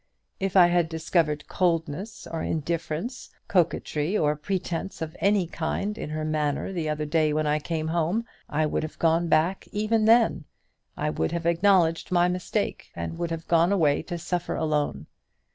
If I had discovered coldness or indifference, coquetry or pretence of any kind in her manner the other day when I came home, I would have gone back even then; I would have acknowledged my mistake, and would have gone away to suffer alone.